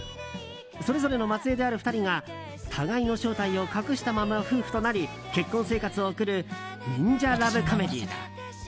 それぞれの末裔である２人が互いの正体を隠したまま夫婦となり結婚生活を送る忍者ラブコメディー。